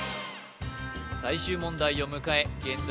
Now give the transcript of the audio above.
最終問題を迎え現在